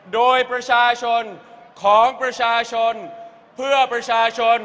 โดยประชาชนของประชาชนเพื่อประชาชน